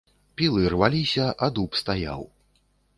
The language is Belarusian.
Пілы рваліся, а дуб стаяў.